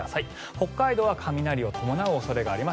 北海道は雷を伴う必要があります。